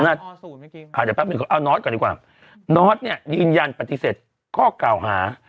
นอร์ดอ่าสูตรเมื่อกี้ค่ะเดี๋ยวปั๊บเอานอร์ดก่อนดีกว่านอร์ดเนี่ยยืนยันปฏิเสธข้อก่าวหา